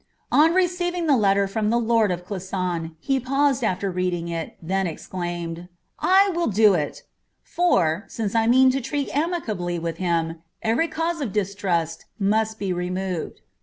On receiving the letter from the lord of' Clisson, he paused after reading it, then exclaimed — "I will do it: for, since 1 mean to treat amicably with him, every CMiM of distrust must be removed."